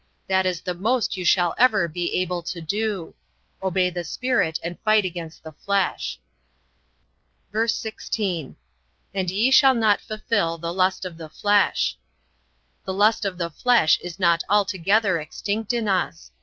That is the most you shall ever be able to do. Obey the Spirit and fight against the flesh." VERSE 16. And ye shall not fulfill the lust of the flesh. The lust of the flesh is not altogether extinct in us.